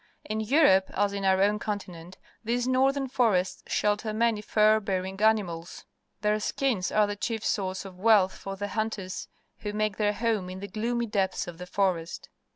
In Europe, as in our own continent, these northern forests shelter many fur bearing animals. Their skins are the chief source of wealth for the hunters who make their home in the gloomy depths of the forest.